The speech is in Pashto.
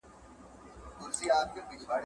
جهاني فال مي کتلی هغه ورځ به لیري نه وي ,